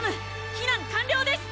避難完了です！